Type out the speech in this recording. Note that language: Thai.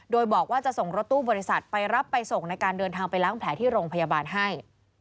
โดยบอกว่าจะส่งรถตู้บริษัทไปรับไปส่งในการเดินทางไปล้างแผลที่โรงพยาบาลให้